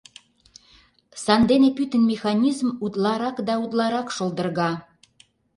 Сандене пӱтынь механизм утларак да утларак шолдырга.